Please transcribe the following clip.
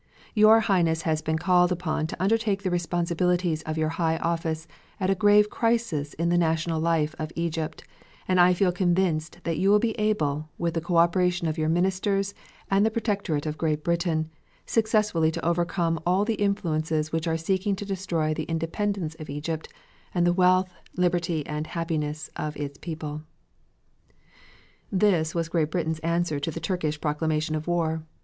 Your Highness has been called upon to undertake the responsibilities of your high office at a grave crisis in the national life of Egypt, and I feel convinced that you will be able, with the co operation of your Ministers, and the Protectorate of Great Britain, successfully to overcome all the influences which are seeking to destroy the independence of Egypt and the wealth, liberty and happiness of its people. This was Britain's answer to the Turkish proclamation of war.